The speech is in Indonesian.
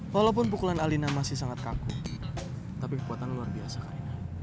walaupun pukulan alina masih sangat kaku tapi kekuatan luar biasa